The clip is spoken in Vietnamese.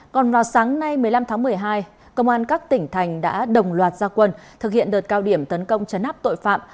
còn vào sáng nay một mươi năm tháng một mươi hai công an các tỉnh thành đã đồng loạt gia quân thực hiện đợt cao điểm tấn công chấn áp tội phạm